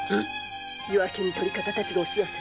夜明けに捕り方が押し寄せ